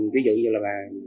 ví dụ như là